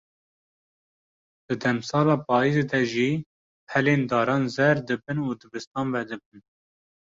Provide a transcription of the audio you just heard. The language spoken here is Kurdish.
Di demsala payîzê de jî, pelên daran zer dibin û dibistan vedibin.